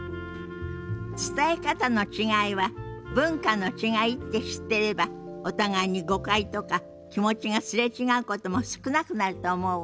伝え方の違いは文化の違いって知ってればお互いに誤解とか気持ちが擦れ違うことも少なくなると思うわ。